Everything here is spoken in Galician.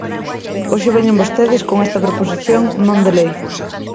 Hoxe veñen vostedes con esta proposición non de lei.